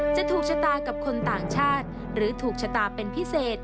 จะถูกชะตากับคนต่างชาติหรือถูกชะตาเป็นพิเศษ